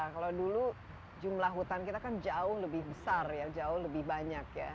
kalau dulu jumlah hutan kita kan jauh lebih besar ya jauh lebih banyak ya